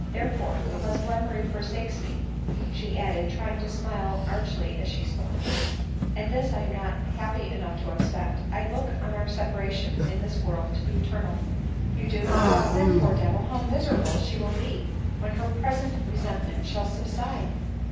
Therefore, unless Glenmurray forsakes me, (she added, trying to smile archly as she spoke,) and this I am not happy enough to expect, I look on our separation in this world to be eternal." " You do?— Then, poor devil, how miserable she will be, when her present resentment shall subside